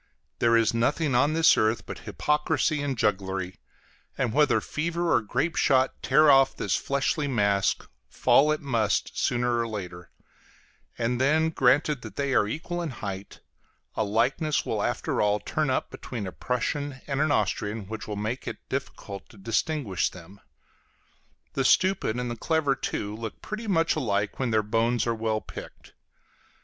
There is nothing on this earth but hypocrisy and jugglery; and whether fever or grape shot tear off this fleshly mask, fall it must sooner or later: and then, granted that they are equal in height, a likeness will after all turn up between a Prussian and an Austrian which will make it difficult to distinguish them. The stupid and the clever, too, look pretty much alike when their bones are well picked.